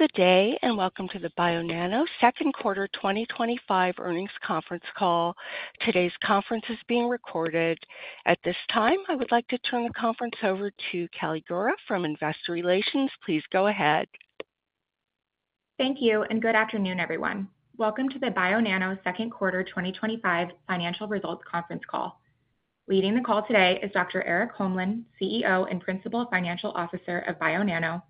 Good day and welcome to the Bionano Genomics second quarter 2025 earnings conference call. Today's conference is being recorded. At this time, I would like to turn the conference over to Kelly Gura from Investor Relations. Please go ahead. Thank you, and good afternoon, everyone. Welcome to the Bionano Genomics second quarter 2025 financial results conference call. Leading the call today is Dr. Erik Holmlin, CEO and Principal Financial Officer of Bionano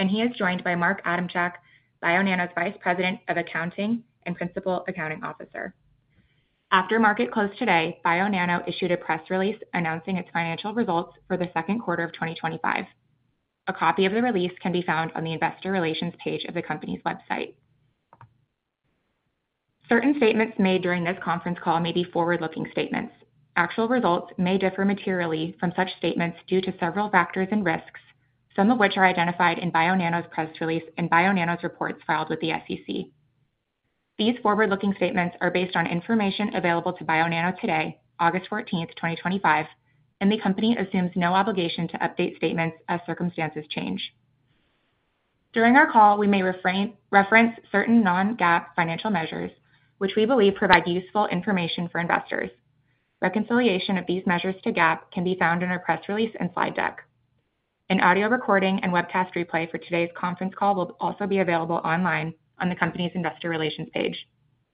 Genomics, and he is joined by Mark Adamchak, Bionano Genomics' Vice President of Accounting and Principal Accounting Officer. After market close today, Bionano Genomics issued a press release announcing its financial results for the second quarter of 2025. A copy of the release can be found on the Investor Relations page of the company's website. Certain statements made during this conference call may be forward-looking statements. Actual results may differ materially from such statements due to several factors and risks, some of which are identified in Bionano Genomics' press release and Bionano Genomics' reports filed with the SEC. These forward-looking statements are based on information available to Bionano Genomics today, August 14th, 2025, and the company assumes no obligation to update statements as circumstances change. During our call, we may reference certain non-GAAP financial measures, which we believe provide useful information for investors. Reconciliation of these measures to GAAP can be found in our press release and slide deck. An audio recording and webcast replay for today's conference call will also be available online on the company's Investor Relations page.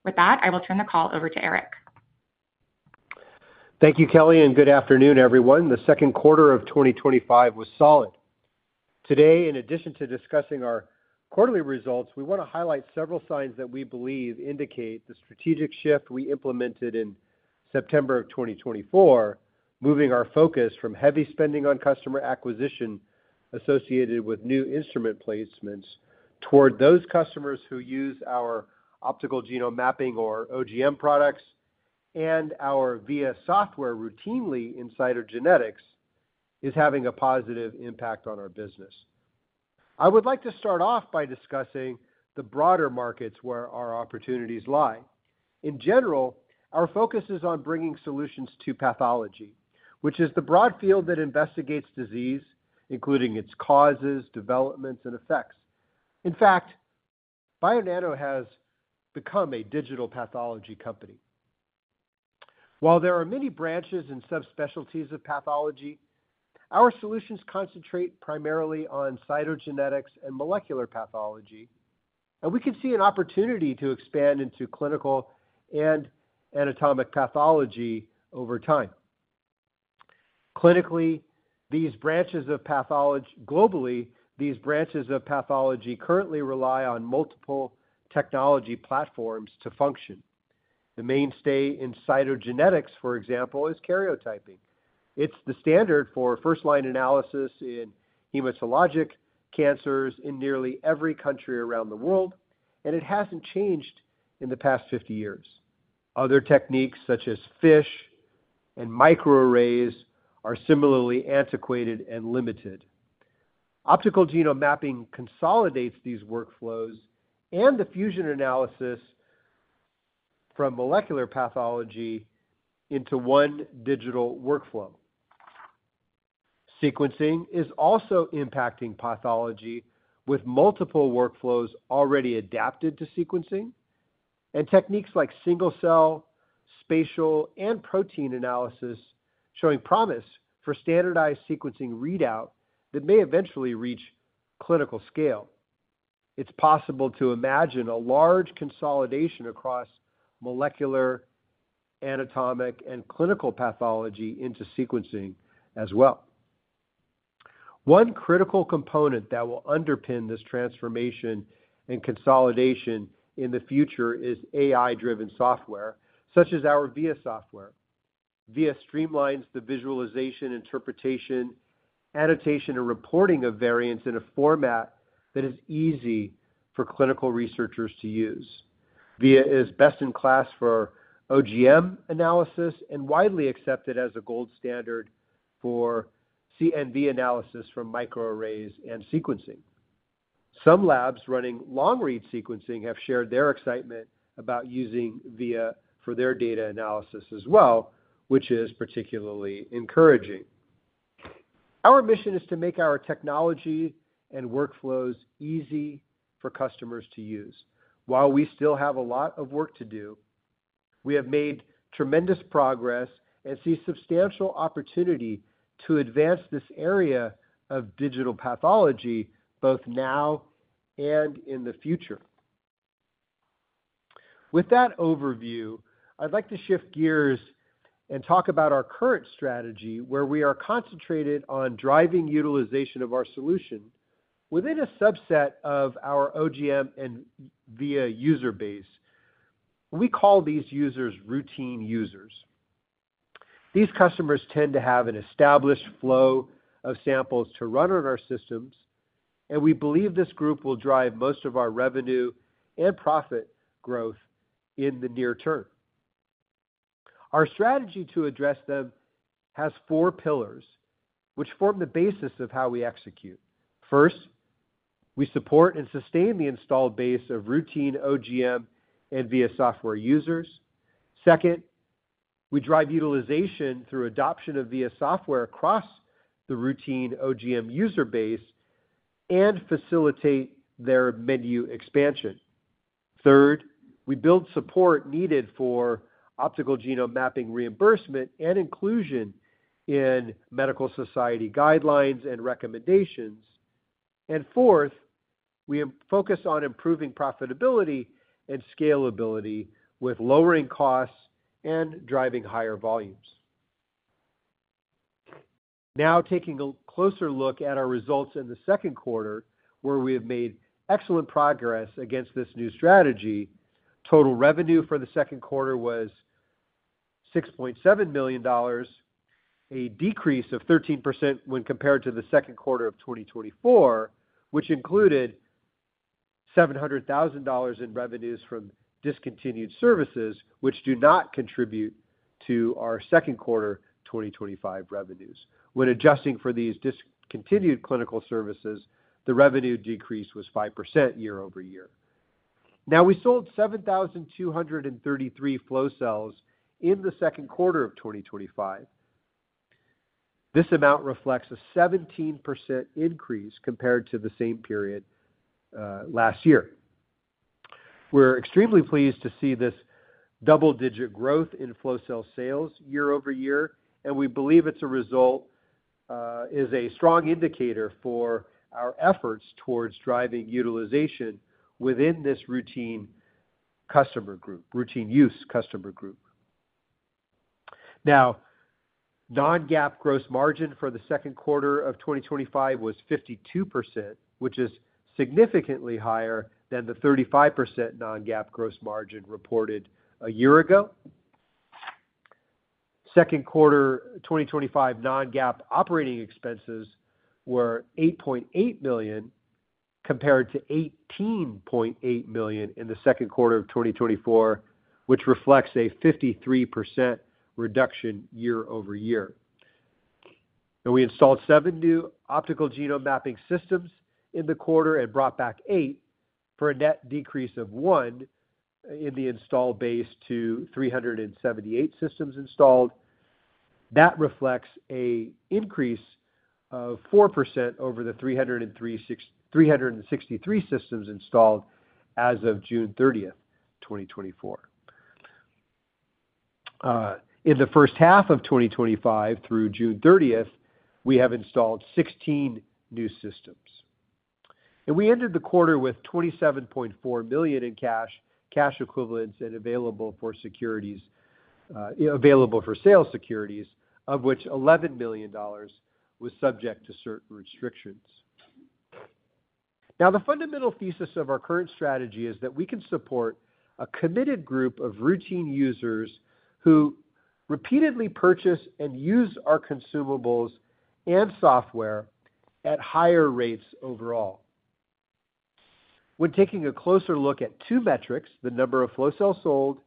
With that, I will turn the call over to Erik. Thank you, Kelly, and good afternoon, everyone. The second quarter of 2025 was solid. Today, in addition to discussing our quarterly results, we want to highlight several signs that we believe indicate the strategic shift we implemented in September of 2024, moving our focus from heavy spending on customer acquisition associated with new instrument placements toward those customers who use our optical genome mapping or OGM products, and our VIA software routinely in cytogenetics is having a positive impact on our business. I would like to start off by discussing the broader markets where our opportunities lie. In general, our focus is on bringing solutions to pathology, which is the broad field that investigates disease, including its causes, developments, and effects. In fact, Bionano Genomics has become a digital pathology company. While there are many branches and subspecialties of pathology, our solutions concentrate primarily on cytogenetics and molecular pathology, and we can see an opportunity to expand into clinical and anatomic pathology over time. Clinically, these branches of pathology, globally, these branches of pathology currently rely on multiple technology platforms to function. The mainstay in cytogenetics, for example, is karyotyping. It's the standard for first-line analysis in hematologic cancers in nearly every country around the world, and it hasn't changed in the past 50 years. Other techniques, such as FISH and microarrays, are similarly antiquated and limited. Optical genome mapping consolidates these workflows and the fusion analysis from molecular pathology into one digital workflow. Sequencing is also impacting pathology with multiple workflows already adapted to sequencing and techniques like single-cell, spatial, and protein analysis showing promise for standardized sequencing readout that may eventually reach clinical scale. It's possible to imagine a large consolidation across molecular, anatomic, and clinical pathology into sequencing as well. One critical component that will underpin this transformation and consolidation in the future is AI-driven software, such as our VIA software. VIA streamlines the visualization, interpretation, annotation, and reporting of variants in a format that is easy for clinical researchers to use. VIA is best in class for OGM analysis and widely accepted as a gold standard for CNV analysis from microarrays and sequencing. Some labs running long-read sequencing have shared their excitement about using VIA for their data analysis as well, which is particularly encouraging. Our mission is to make our technology and workflows easy for customers to use. While we still have a lot of work to do, we have made tremendous progress and see substantial opportunity to advance this area of digital pathology both now and in the future. With that overview, I'd like to shift gears and talk about our current strategy, where we are concentrated on driving utilization of our solution within a subset of our OGM and VIA user base. We call these users routine users. These customers tend to have an established flow of samples to run on our systems, and we believe this group will drive most of our revenue and profit growth in the near term. Our strategy to address them has four pillars, which form the basis of how we execute. First, we support and sustain the installed base of routine OGM and VIA software users. Second, we drive utilization through adoption of VIA software across the routine OGM user base and facilitate their menu expansion. Third, we build support needed for optical genome mapping reimbursement and inclusion in medical society guidelines and recommendations. Fourth, we focus on improving profitability and scalability with lowering costs and driving higher volumes. Now, taking a closer look at our results in the second quarter, where we have made excellent progress against this new strategy, total revenue for the second quarter was $6.7 million, a decrease of 13% when compared to the second quarter of 2024, which included $700,000 in revenues from discontinued services, which do not contribute to our second quarter 2025 revenues. When adjusting for these discontinued clinical services, the revenue decrease was 5% year-over-year. We sold 7,233 flow cells in the second quarter of 2025. This amount reflects a 17% increase compared to the same period last year. We're extremely pleased to see this double-digit growth in flow cell sales year-over-year, and we believe it's a strong indicator for our efforts towards driving utilization within this routine customer group, routine use customer group. Non-GAAP gross margin for the second quarter of 2025 was 52%, which is significantly higher than the 35% non-GAAP gross margin reported a year ago. Second quarter 2025 non-GAAP operating expenses were $8.8 million compared to $18.8 million in the second quarter of 2024, which reflects a 53% reduction year-over-year. We installed seven new optical genome mapping systems in the quarter and brought back eight for a net decrease of one in the install base to 378 systems installed. That reflects an increase of 4% over the 363 systems installed as of June 30, 2024. In the first half of 2025 through June 30, we have installed 16 new systems. We ended the quarter with $27.4 million in cash, cash equivalents, and available for sale securities, of which $11 million was subject to certain restrictions. The fundamental thesis of our current strategy is that we can support a committed group of routine users who repeatedly purchase and use our consumables and software at higher rates overall. When taking a closer look at two metrics, the number of flow cells sold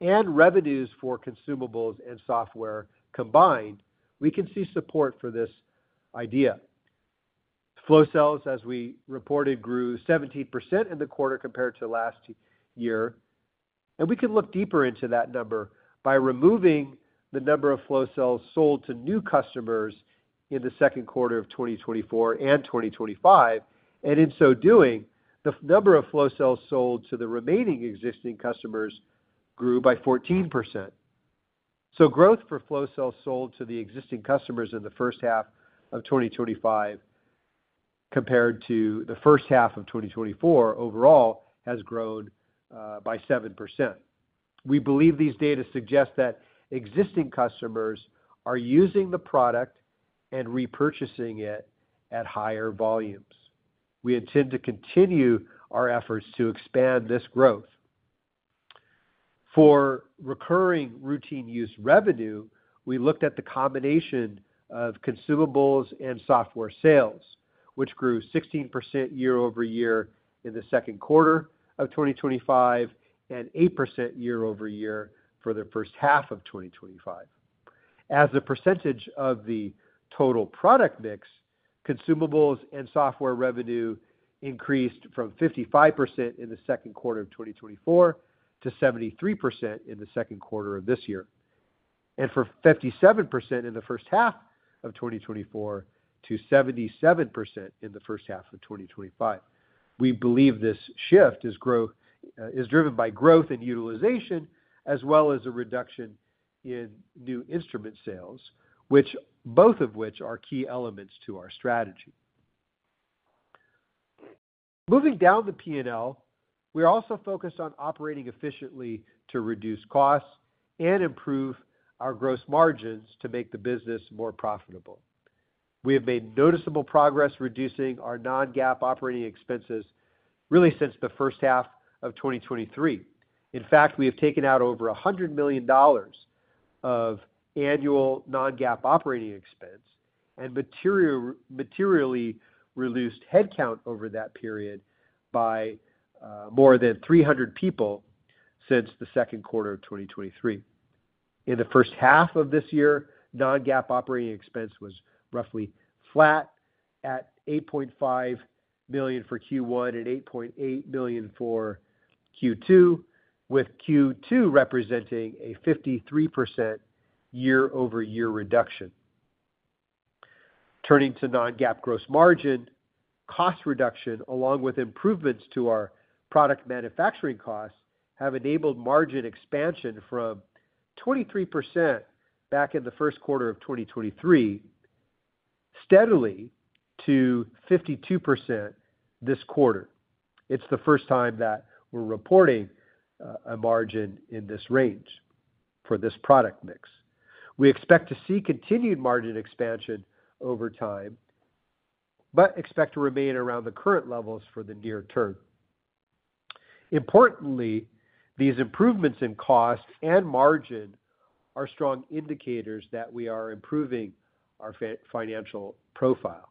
and revenues for consumables and software combined, we can see support for this idea. Flow cells, as we reported, grew 17% in the quarter compared to last year. We can look deeper into that number by removing the number of flow cells sold to new customers in the second quarter of 2024 and 2025. In so doing, the number of flow cells sold to the remaining existing customers grew by 14%. Growth for flow cells sold to the existing customers in the first half of 2025 compared to the first half of 2024 overall has grown by 7%. We believe these data suggest that existing customers are using the product and repurchasing it at higher volumes. We intend to continue our efforts to expand this growth. For recurring routine use revenue, we looked at the combination of consumables and software sales, which grew 16% year-over-year in the second quarter of 2025 and 8% year-over-year for the first half of 2025. As a percentage of the total product mix, consumables and software revenue increased from 55% in the second quarter of 2024 to 73% in the second quarter of this year, and from 57% in the first half of 2024 to 77% in the first half of 2025. We believe this shift is driven by growth in utilization, as well as a reduction in new instrument sales, both of which are key elements to our strategy. Moving down the P&L, we are also focused on operating efficiently to reduce costs and improve our gross margins to make the business more profitable. We have made noticeable progress reducing our non-GAAP operating expenses really since the first half of 2023. In fact, we have taken out over $100 million of annual non-GAAP operating expense and materially reduced headcount over that period by more than 300 people since the second quarter of 2023. In the first half of this year, non-GAAP operating expense was roughly flat at $8.5 million for Q1 and $8.8 million for Q2, with Q2 representing a 53% year-over-year reduction. Turning to non-GAAP gross margin, cost reduction, along with improvements to our product manufacturing costs, have enabled margin expansion from 23% back in the first quarter of 2023 steadily to 52% this quarter. It's the first time that we're reporting a margin in this range for this product mix. We expect to see continued margin expansion over time, but expect to remain around the current levels for the near term. Importantly, these improvements in cost and margin are strong indicators that we are improving our financial profile.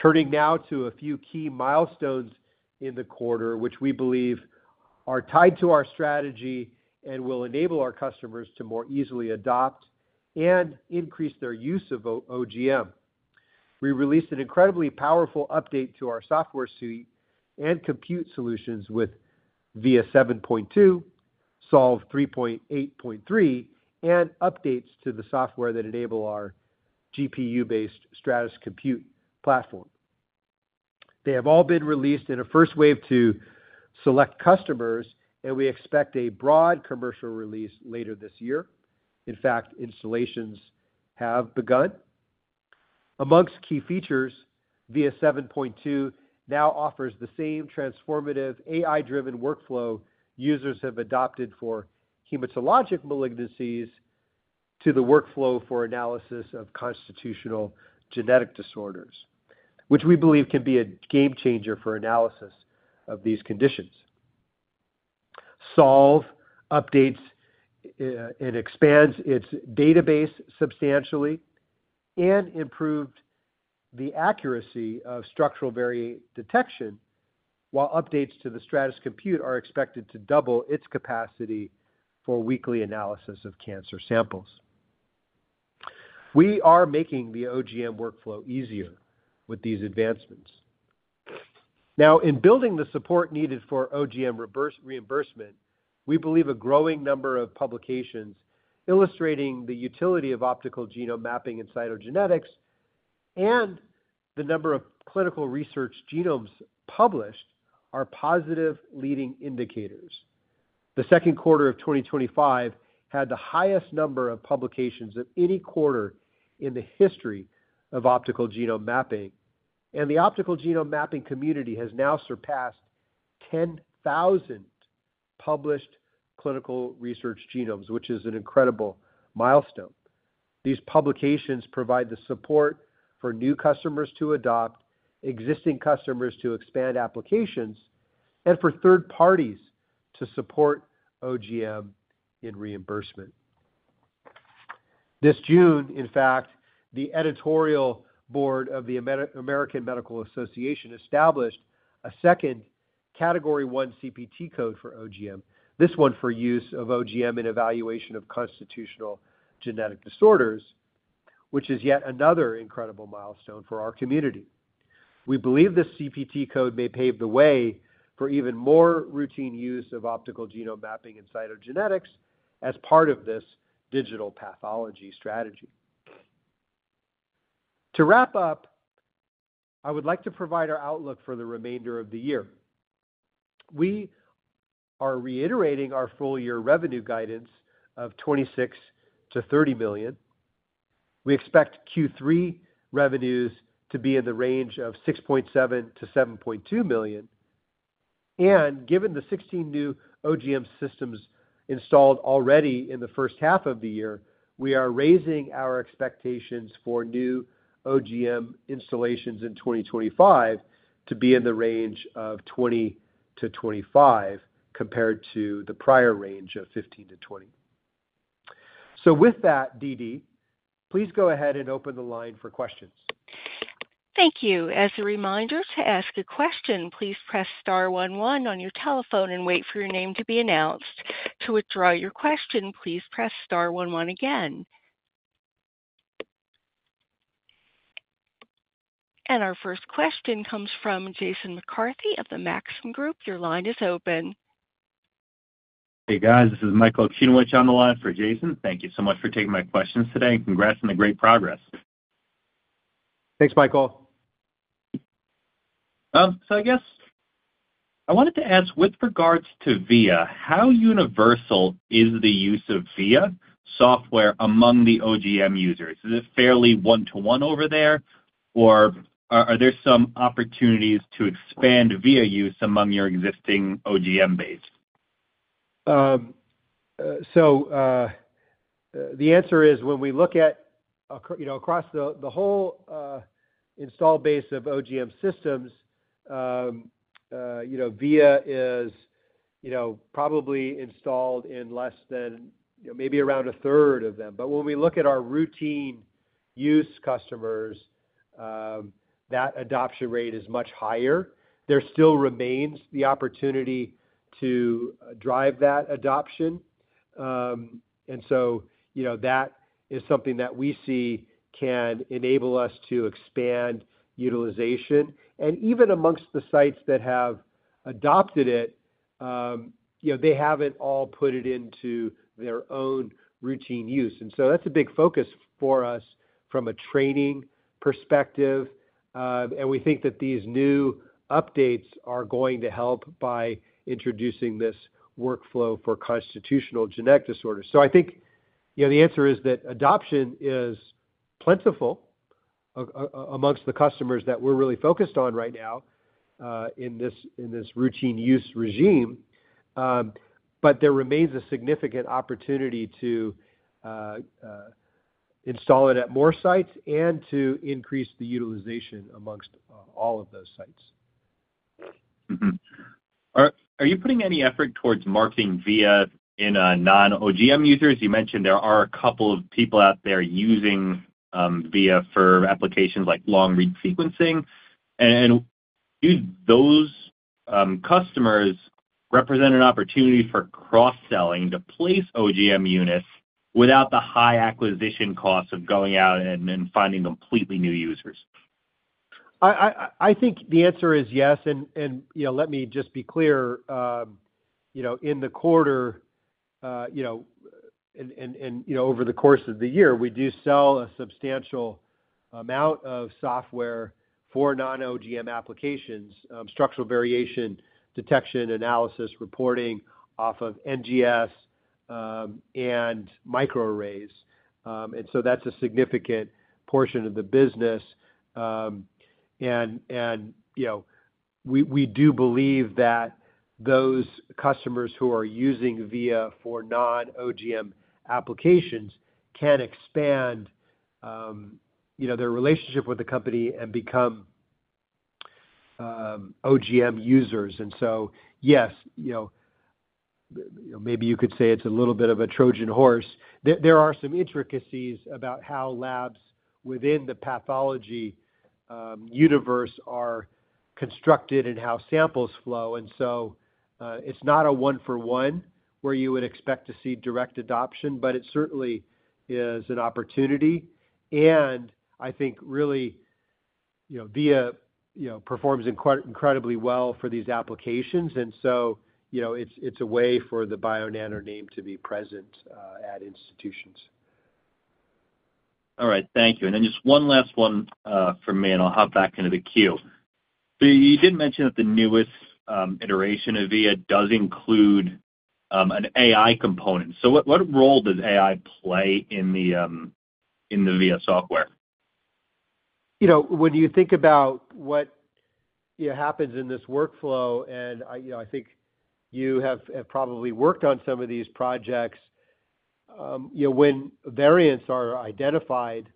Turning now to a few key milestones in the quarter, which we believe are tied to our strategy and will enable our customers to more easily adopt and increase their use of OGM. We released an incredibly powerful update to our software suite and compute solutions with VIA 7.2, Solve 3.8.3, and updates to the software that enable our GPU-based Stratys Compute platform. They have all been released in a first wave to select customers, and we expect a broad commercial release later this year. In fact, installations have begun. Amongst key features, VIA 7.2 now offers the same transformative AI-driven workflow users have adopted for hematologic malignancies to the workflow for analysis of constitutional genetic disorders, which we believe can be a game changer for analysis of these conditions. Solve updates and expands its database substantially and improved the accuracy of structural variant detection, while updates to the Stratys Compute are expected to double its capacity for weekly analysis of cancer samples. We are making the OGM workflow easier with these advancements. Now, in building the support needed for OGM reimbursement, we believe a growing number of publications illustrating the utility of optical genome mapping and cytogenetics and the number of clinical research genomes published are positive leading indicators. The second quarter of 2025 had the highest number of publications of any quarter in the history of optical genome mapping, and the optical genome mapping community has now surpassed 10,000 published clinical research genomes, which is an incredible milestone. These publications provide the support for new customers to adopt, existing customers to expand applications, and for third parties to support OGM in reimbursement. This June, in fact, the editorial board of the American Medical Association established a second Category 1 CPT code for OGM, this one for use of OGM in evaluation of constitutional genetic disorders, which is yet another incredible milestone for our community. We believe this CPT code may pave the way for even more routine use of optical genome mapping and cytogenetics as part of this digital pathology strategy. To wrap up, I would like to provide our outlook for the remainder of the year. We are reiterating our full-year revenue guidance of $26 to $30 million. We expect Q3 revenues to be in the range of $6.7 to $7.2 million. Given the 16 new OGM systems installed already in the first half of the year, we are raising our expectations for new OGM installations in 2025 to be in the range of 20 to 25 compared to the prior range of 15 to 20. DeeDee, please go ahead and open the line for questions. Thank you. As a reminder, to ask a question, please press star 11 on your telephone and wait for your name to be announced. To withdraw your question, please press star 11 again. Our first question comes from Jason McCarthy of Maxim Group. Your line is open. Hey, guys, this is Michael Okunewitch on the line for Jason. Thank you so much for taking my questions today and congrats on the great progress. Thanks, Michael. I wanted to ask, with regards to VIA, how universal is the use of VIA software among the OGM users? Is it fairly one-to-one over there, or are there some opportunities to expand VIA use among your existing OGM base? The answer is, when we look at, you know, across the whole install base of OGM systems, VIA is, you know, probably installed in less than, you know, maybe around a third of them. When we look at our routine use customers, that adoption rate is much higher. There still remains the opportunity to drive that adoption. That is something that we see can enable us to expand utilization. Even amongst the sites that have adopted it, you know, they haven't all put it into their own routine use. That's a big focus for us from a training perspective. We think that these new updates are going to help by introducing this workflow for constitutional genetic disorders. I think, you know, the answer is that adoption is plentiful amongst the customers that we're really focused on right now in this routine use regime. There remains a significant opportunity to install it at more sites and to increase the utilization amongst all of those sites. Are you putting any effort towards marketing VIA in non-OGM users? You mentioned there are a couple of people out there using VIA for applications like long-read sequencing. Do those customers represent an opportunity for cross-selling to place OGM units without the high acquisition costs of going out and finding completely new users? I think the answer is yes. Let me just be clear. In the quarter, and over the course of the year, we do sell a substantial amount of software for non-OGM applications, structural variation detection analysis reporting off of NGS and microarrays. That's a significant portion of the business. We do believe that those customers who are using VIA for non-OGM applications can expand their relationship with the company and become OGM users. Yes, maybe you could say it's a little bit of a Trojan horse. There are some intricacies about how labs within the pathology universe are constructed and how samples flow. It's not a one-for-one where you would expect to see direct adoption, but it certainly is an opportunity. I think really, VIA performs incredibly well for these applications. It's a way for the Bionano name to be present at institutions. All right. Thank you. Just one last one from me, and I'll hop back into the queue. You did mention that the newest iteration of VIA does include an AI component. What role does AI play in the VIA software? You know, when you think about what happens in this workflow, I think you have probably worked on some of these projects. You know, when variants are identified,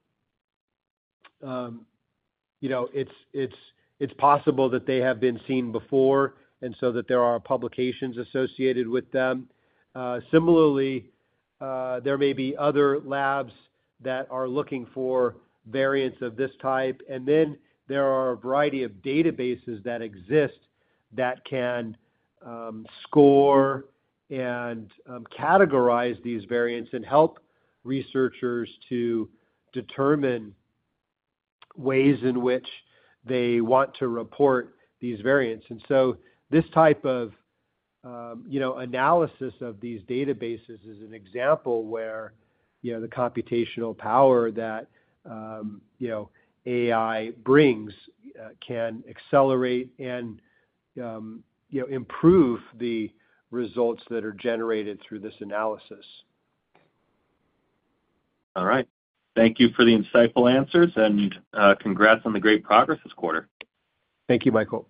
it's possible that they have been seen before, and so there are publications associated with them. Similarly, there may be other labs that are looking for variants of this type. There are a variety of databases that exist that can score and categorize these variants and help researchers to determine ways in which they want to report these variants. This type of analysis of these databases is an example where the computational power that AI brings can accelerate and improve the results that are generated through this analysis. All right. Thank you for the insightful answers, and congrats on the great progress this quarter. Thank you, Michael.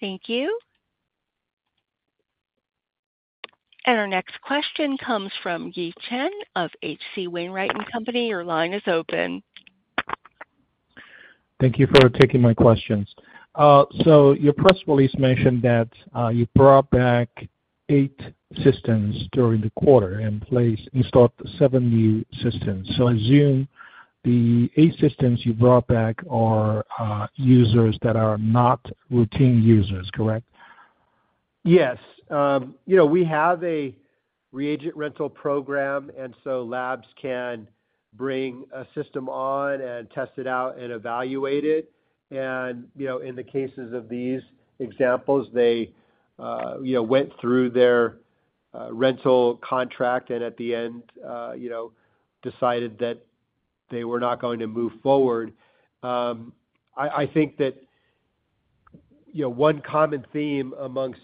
Thank you. Our next question comes from Yi Chen of H.C. Wainwright & Company. Your line is open. Thank you for taking my questions. Your press release mentioned that you brought back eight systems during the quarter and installed seven new systems. I assume the eight systems you brought back are users that are not routine users, correct? Yes. We have a reagent rental program, and labs can bring a system on and test it out and evaluate it. In the cases of these examples, they went through their rental contract and at the end decided that they were not going to move forward. I think that one common theme amongst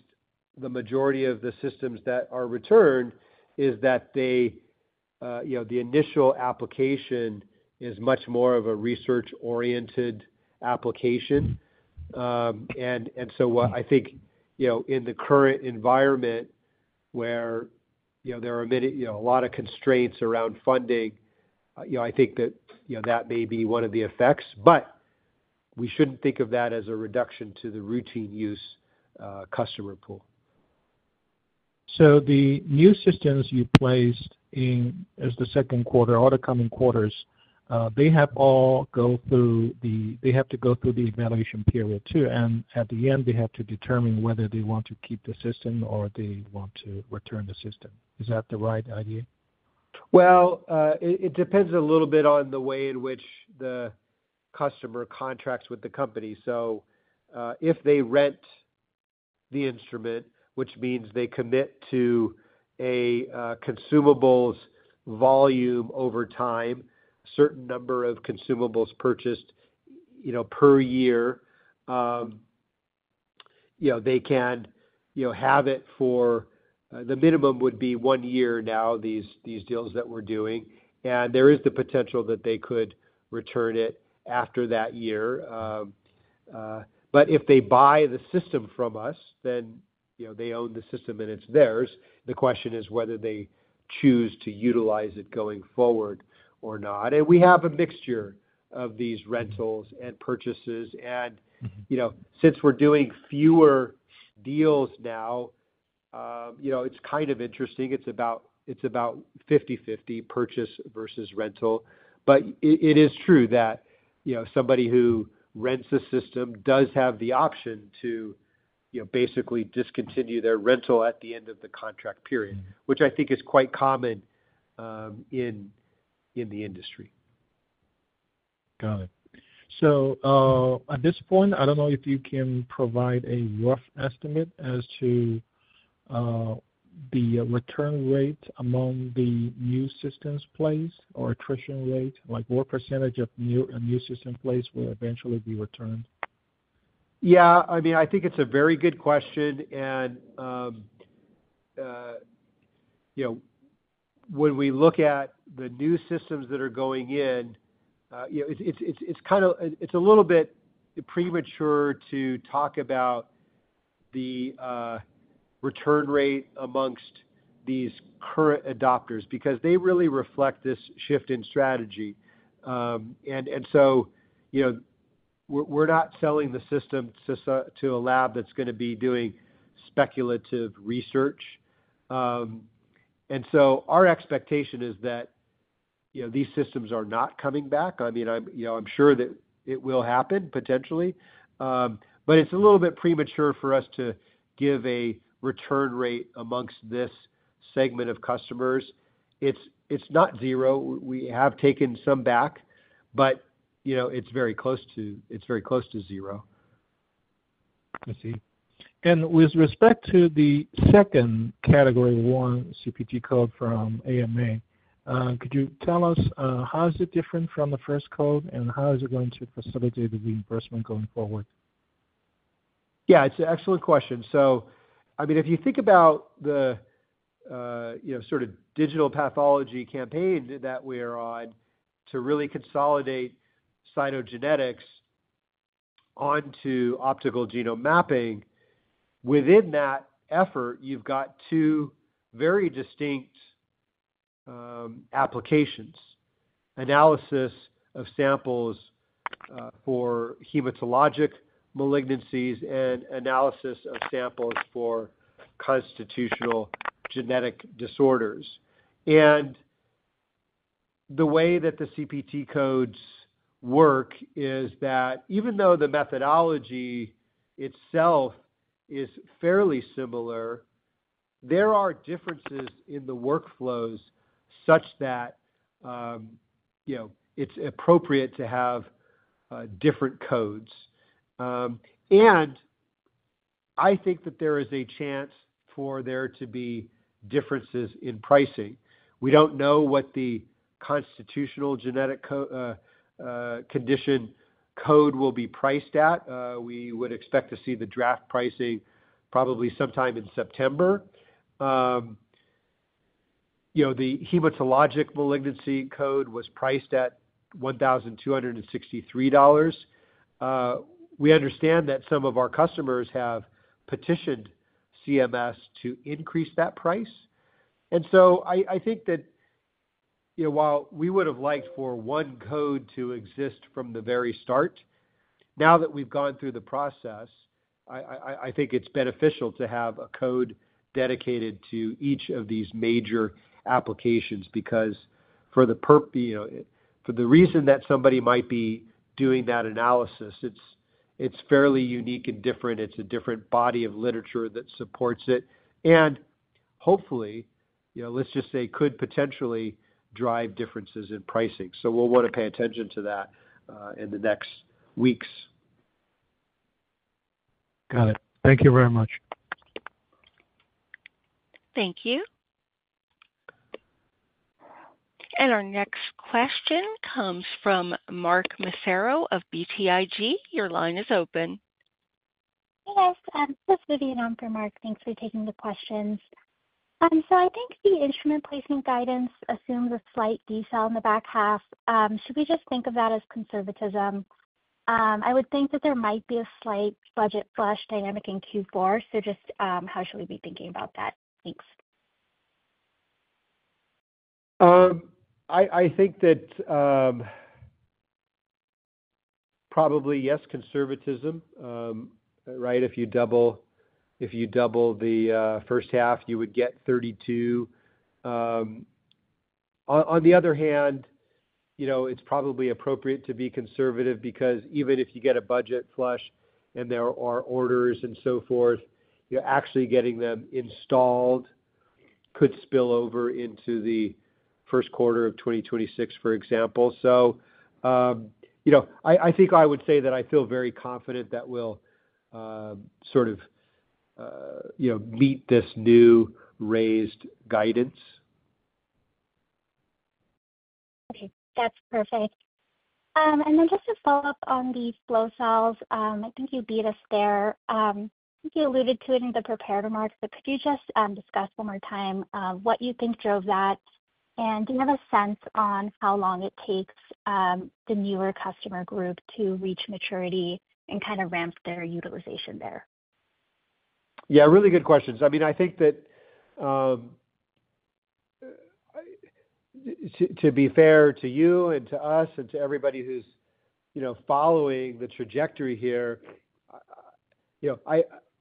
the majority of the systems that are returned is that the initial application is much more of a research-oriented application. I think in the current environment where there are many constraints around funding, I think that may be one of the effects. We shouldn't think of that as a reduction to the routine use customer pool. The new systems you placed in as the second quarter or the coming quarters, they have all gone through the evaluation period too. At the end, they have to determine whether they want to keep the system or they want to return the system. Is that the right idea? It depends a little bit on the way in which the customer contracts with the company. If they rent the instrument, which means they commit to a consumables volume over time, a certain number of consumables purchased per year, they can have it for the minimum would be one year now, these deals that we're doing. There is the potential that they could return it after that year. If they buy the system from us, then they own the system and it's theirs. The question is whether they choose to utilize it going forward or not. We have a mixture of these rentals and purchases. Since we're doing fewer deals now, it's kind of interesting. It's about 50/50 purchase versus rental. It is true that somebody who rents a system does have the option to basically discontinue their rental at the end of the contract period, which I think is quite common in the industry. At this point, I don't know if you can provide a rough estimate as to the return rate among the new systems placed or attrition rate, like what % of new systems placed will eventually be returned? Yeah, I mean, I think it's a very good question. You know, when we look at the new systems that are going in, it's kind of, it's a little bit premature to talk about the return rate amongst these current adopters because they really reflect this shift in strategy. You know, we're not selling the system to a lab that's going to be doing speculative research. Our expectation is that these systems are not coming back. I mean, I'm sure that it will happen potentially. It's a little bit premature for us to give a return rate amongst this segment of customers. It's not zero. We have taken some back, but it's very close to, it's very close to zero. I see. With respect to the second Category 1 CPT code from the American Medical Association, could you tell us how it is different from the first code and how it is going to facilitate the reimbursement going forward? Yeah, it's an excellent question. If you think about the digital pathology campaign that we're on to really consolidate cytogenetics onto optical genome mapping, within that effort, you've got two very distinct applications: analysis of samples for hematologic malignancies and analysis of samples for constitutional genetic disorders. The way that the CPT codes work is that even though the methodology itself is fairly similar, there are differences in the workflows such that it's appropriate to have different codes. I think that there is a chance for there to be differences in pricing. We don't know what the constitutional genetic condition code will be priced at. We would expect to see the draft pricing probably sometime in September. The hematologic malignancy code was priced at $1,263. We understand that some of our customers have petitioned CMS to increase that price. I think that while we would have liked for one code to exist from the very start, now that we've gone through the process, it's beneficial to have a code dedicated to each of these major applications because for the reason that somebody might be doing that analysis, it's fairly unique and different. It's a different body of literature that supports it. Hopefully, let's just say it could potentially drive differences in pricing. We'll want to pay attention to that in the next weeks. Got it. Thank you very much. Thank you. Our next question comes from Mark Massaro of BTIG. Your line is open. Hey, guys. This is Vidyun on for Mark. Thanks for taking the questions. I think the instrument placement guidance assumes a slight decel in the back half. Should we just think of that as conservatism? I would think that there might be a slight budget flush dynamic in Q4. Just how should we be thinking about that? Thanks. I think that probably, yes, conservatism, right? If you double the first half, you would get 32. On the other hand, it's probably appropriate to be conservative because even if you get a budget flush and there are orders and so forth, actually getting them installed could spill over into the first quarter of 2026, for example. I think I would say that I feel very confident that we'll sort of, you know, meet this new raised guidance. Okay. That's perfect. Just to follow up on the flow cells, I think you beat us there. I think you alluded to it in the prepared remarks, but could you just discuss one more time what you think drove that? Do you have a sense on how long it takes the newer customer group to reach maturity and kind of ramp their utilization there? Yeah, really good questions. I think that to be fair to you and to us and to everybody who's following the trajectory here,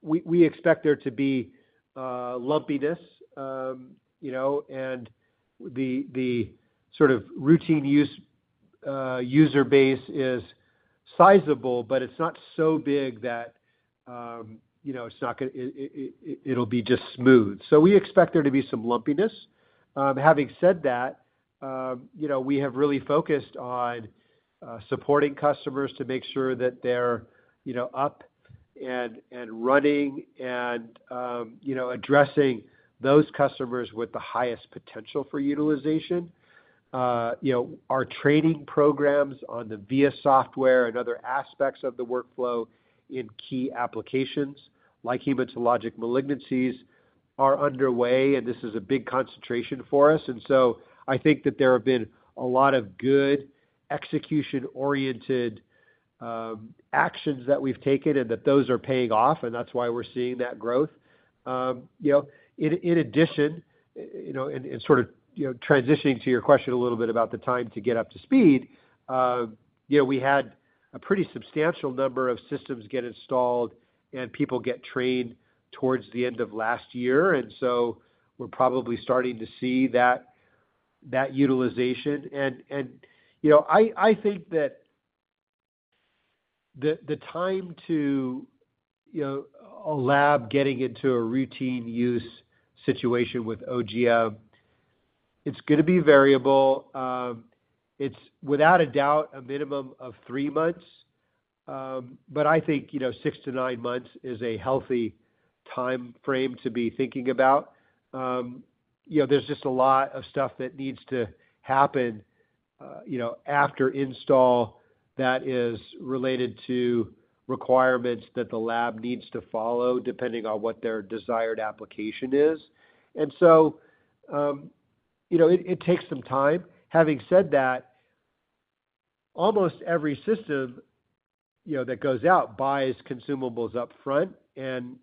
we expect there to be lumpiness, and the sort of routine use user base is sizable, but it's not so big that it'll be just smooth. We expect there to be some lumpiness. Having said that, we have really focused on supporting customers to make sure that they're up and running and addressing those customers with the highest potential for utilization. Our training programs on the VIA software and other aspects of the workflow in key applications like hematologic malignancies are underway, and this is a big concentration for us. I think that there have been a lot of good execution-oriented actions that we've taken and that those are paying off, and that's why we're seeing that growth. In addition, transitioning to your question a little bit about the time to get up to speed, we had a pretty substantial number of systems get installed and people get trained towards the end of last year. We're probably starting to see that utilization. I think that the time to a lab getting into a routine use situation with OGM, it's going to be variable. It's, without a doubt, a minimum of three months. I think six to nine months is a healthy timeframe to be thinking about. There's just a lot of stuff that needs to happen after install that is related to requirements that the lab needs to follow depending on what their desired application is. It takes some time. Having said that, almost every system that goes out buys consumables up front, and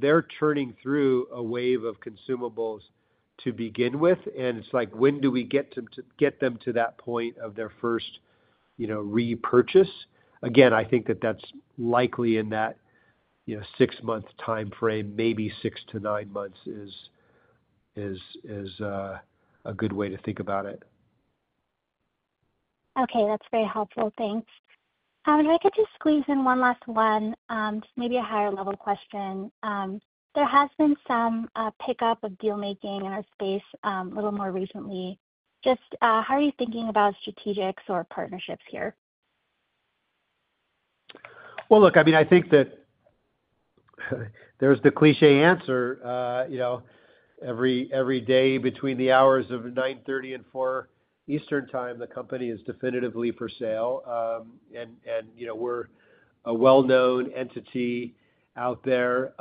they're churning through a wave of consumables to begin with. It's like, when do we get them to get them to that point of their first repurchase? I think that that's likely in that six-month timeframe. Maybe six to nine months is a good way to think about it. Okay. That's very helpful. Thanks. If I could just squeeze in one last one, just maybe a higher-level question. There has been some pickup of dealmaking in our space a little more recently. How are you thinking about strategics or partnerships here? I think that there's the cliché answer. Every day between the hours of 9:30 A.M. and 4:00 P.M. Eastern Time, the company is definitively for sale. We're a well-known entity out there,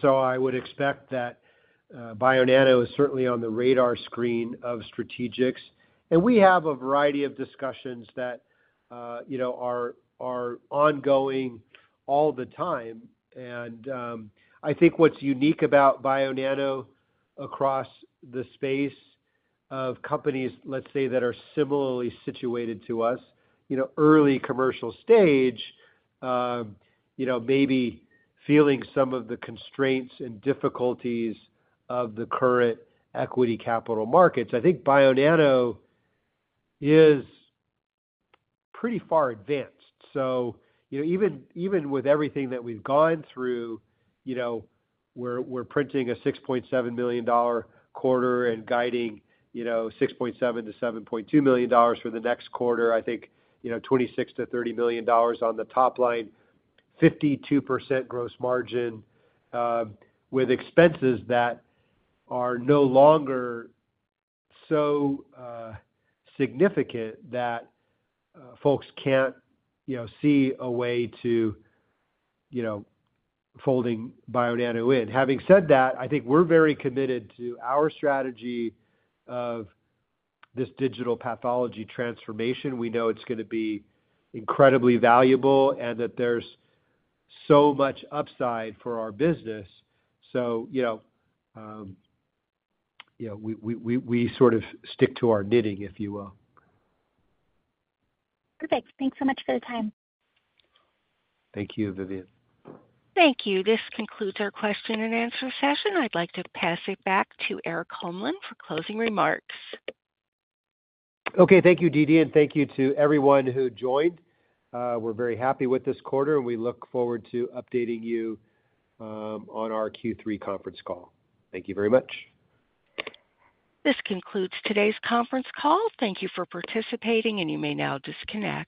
so I would expect that Bionano Genomics is certainly on the radar screen of strategics. We have a variety of discussions that are ongoing all the time. I think what's unique about Bionano Genomics across the space of companies, let's say, that are similarly situated to us, early commercial stage, maybe feeling some of the constraints and difficulties of the current equity capital markets, is that Bionano Genomics is pretty far advanced. Even with everything that we've gone through, we're printing a $6.7 million quarter and guiding $6.7 to $7.2 million for the next quarter. I think $26 to $30 million on the top line, 52% gross margin with expenses that are no longer so significant that folks can't see a way to folding Bionano Genomics in. Having said that, I think we're very committed to our strategy of this digital pathology transformation. We know it's going to be incredibly valuable and that there's so much upside for our business. We sort of stick to our knitting, if you will. Perfect. Thanks so much for the time. Thank you, Vidyun. Thank you. This concludes our question and answer session. I'd like to pass it back to Erik Holmlin for closing remarks. Okay. Thank you, DeeDee, and thank you to everyone who joined. We're very happy with this quarter, and we look forward to updating you on our Q3 conference call. Thank you very much. This concludes today's conference call. Thank you for participating, and you may now disconnect.